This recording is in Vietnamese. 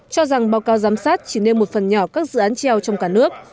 cho rằng báo cáo giám sát chỉ nêu một phần nhỏ các dự án treo trong cả nước